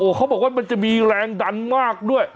เขาบอกว่ามันจะมีแรงดันมากด้วย